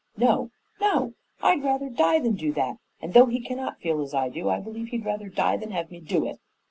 "No, no! I'd rather die than do that, and though he cannot feel as I do, I believe he'd rather die than have me do it."